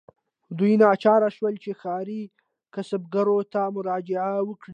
دوی ناچاره شول چې ښاري کسبګرو ته مراجعه وکړي.